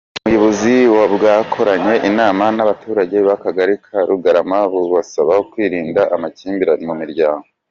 Ubuyobozi bwakoranye inama n’abaturage b’Akagari ka Rugarama bubasaba kwirinda amakimbirane mu miryango.